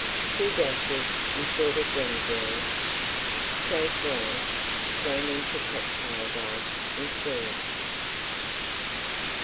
2 dashes Imported Grenadine. Shake well; strain into Cocktail glass and serve.